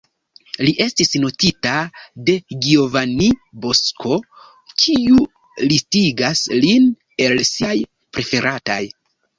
Li estis notita de Giovanni Bosco, kiu listigas lin el siaj preferataj.